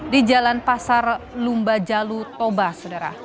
di jalan pasar lumba jalu toba sudera